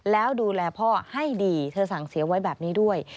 แล้วดูแลพ่อให้ดีเธอสั่งเสียไว้แบบนี้ด้วย